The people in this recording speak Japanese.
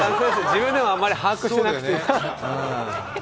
自分でもあまり把握してなくて。